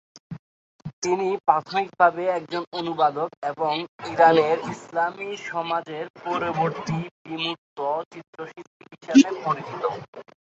তিনি প্রাথমিকভাবে একজন অনুবাদক এবং ইরানের ইসলামী সমাজের পরবর্তী বিমূর্ত চিত্রশিল্পী হিসেবে পরিচিত।